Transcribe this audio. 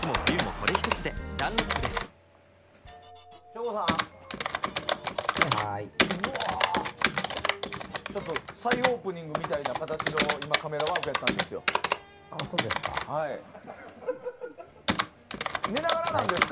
うわちょっと再オープニングみたいな形の今、カメラワークやったんです。